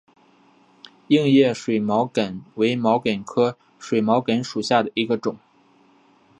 硬叶水毛茛为毛茛科水毛茛属下的一个种。